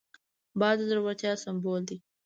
باز د زړورتیا سمبول دی